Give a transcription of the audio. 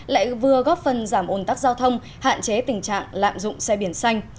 lại vừa góp phần giảm ồn tắc giao thông hạn chế tình trạng lạm dụng xe biển xanh